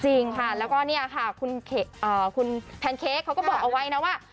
จริงค่ะแล้วก็เนี่ยค่ะคุณแพนเค้กเขาก็บอกเอาไว้นะว่า